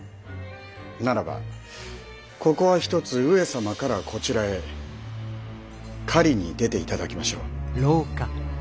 ならばここはひとつ上様からこちらへ狩りに出て頂きましょう。